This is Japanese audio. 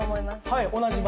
はい。